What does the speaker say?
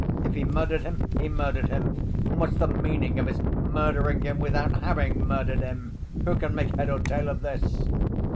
If he murdered him, he murdered him, and what's the meaning of his murdering him without having murdered him—who can make head or tail of this?